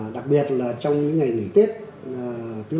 đặc biệt là trong những ngày nghỉ tết